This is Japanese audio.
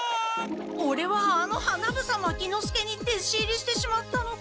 オレはあの花房牧之介にでし入りしてしまったのか。